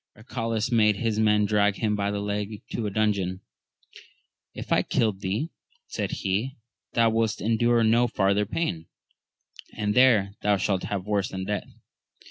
Arcalaus made his men drag him by the leg to a dungeon ; If I killed thee, said he, thou wouldst endure no farther pain, and there thou shalt have worse than death.